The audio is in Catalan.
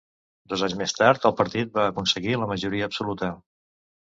Dos anys més tard el partit va aconseguir la majoria absoluta.